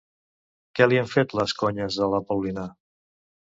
Què li han fet les conyes de la Paulina?